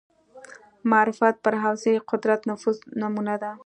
معرفت پر حوزې قدرت نفوذ نمونه ده